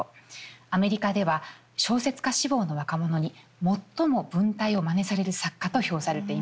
アメリカでは小説家志望の若者に最も文体をまねされる作家と評されています。